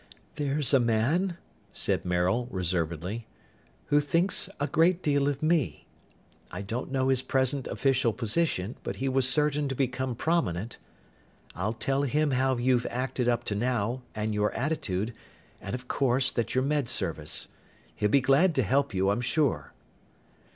"There's a man," said Maril reservedly, "who thinks a great deal of me. I don't know his present official position, but he was certain to become prominent. I'll tell him how you've acted up to now, and your attitude, and of course that you're Med Service. He'll be glad to help you, I'm sure."